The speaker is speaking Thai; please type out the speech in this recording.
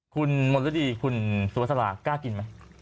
คุณมณฑดีคุณสุวสระกล้ากินไหม